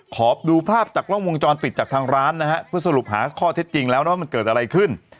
ขอดูภาพจากกล้องวงจรปิดจากทางร้านนะฮะเพื่อสรุปหาข้อเท็จจริงแล้วนะว่ามันเกิดอะไรขึ้น